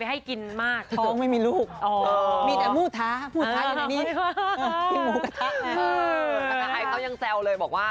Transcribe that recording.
พ่อกำลังอย่างแซวเลยบอกว่า